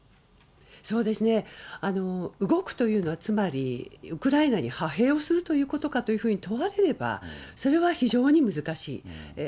そうですね、動くというのは、つまり、ウクライナに派兵をするということかというふうに問われれば、それは非常に難しい。